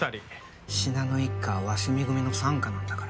信濃一家は鷲見組の傘下なんだから。